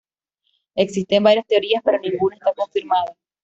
Existen varias teorías, pero ninguna está confirmada.